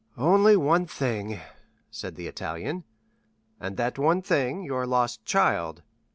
"Only one thing," said the Italian. "And that one thing, your lost child."